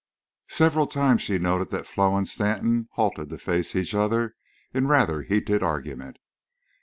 Several times she noted that Flo and Stanton halted to face each other in rather heated argument.